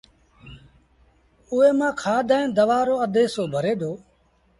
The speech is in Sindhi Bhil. اُئي مآݩ کآڌ ائيٚݩ دوآ رو اڌ هسو ڀري دو